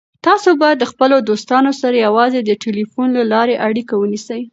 تاسو باید له خپلو دوستانو سره یوازې د ټلیفون له لارې اړیکه ونیسئ.